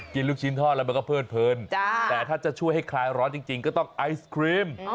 ลูกชิ้นทอดแล้วมันก็เพิดเพลินแต่ถ้าจะช่วยให้คลายร้อนจริงก็ต้องไอศครีม